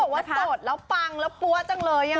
ก็บอกว่าโสดแล้วปังแล้วปัวจังเลยค่ะ